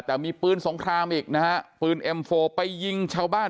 แต่มีปืนสงครามอีกนะฮะปืนเอ็มโฟไปยิงชาวบ้าน